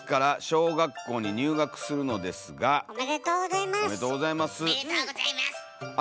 おめでとうございます！